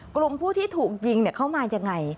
กลุ่มผู้ที่ถูกยิงเข้ามายังไง